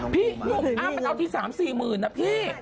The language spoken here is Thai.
พี่นุ่มอ้ำมันเอาที๓๔หมื่นนะพี่